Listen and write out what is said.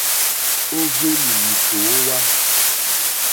Ò hwélì lìkòówá.